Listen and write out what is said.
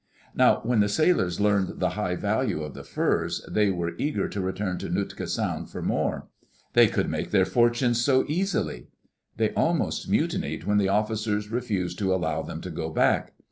Now when the sailors learned the high value of the furs, they were eager to return to Nootka Sound for more. They could make their fortunes so easily I They almost mutinied when the officers refused to allow them to go back.